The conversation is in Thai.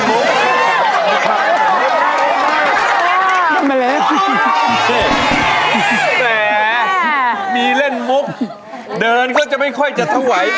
นั่นไหมแล้วแกแกมีเล่นมุกเดินก็จะไม่ค่อยจะถวัย